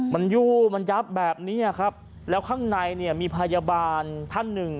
มันยู่มันยับแบบนี้ครับแล้วข้างในเนี่ยมีพยาบาลท่านหนึ่ง